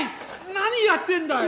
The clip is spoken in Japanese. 何やってんだよ！？